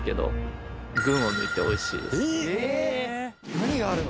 何があるの？